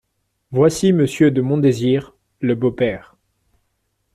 Voici Monsieur de Montdésir, le beau-père !…